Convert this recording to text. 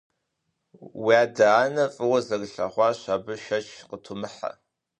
Уи адэ-анэр фӀыуэ зэрылъэгъуащ, абы шэч къытумыхьэ.